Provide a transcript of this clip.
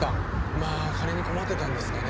まあ金に困ってたんですかね。